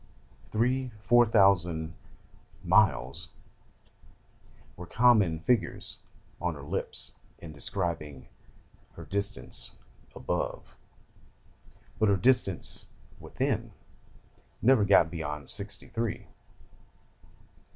Three, four thousand "miles" were common figures on her lips in describing her distance "above"; but her distance "within" never got beyond sixty three.